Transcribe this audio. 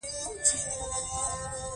د چاریکار پر لور حرکت وکړ.